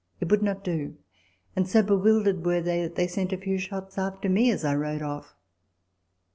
It would not do ; and so bewildered were they, that they sent a few shots after me as I rode off.